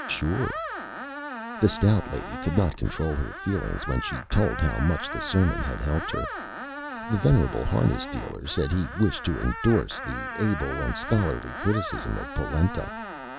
Sure! The Stout Lady could not control her Feelings when she told how much the Sermon had helped her. The venerable Harness Dealer said he wished to indorse the Able and Scholarly Criticism of Polenta.